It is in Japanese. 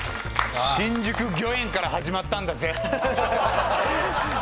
新宿御苑から始まったんだぜ！